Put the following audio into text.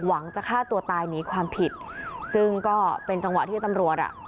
จะฆ่าตัวตายหนีความผิดซึ่งก็เป็นจังหวะที่ตำรวจอ่ะ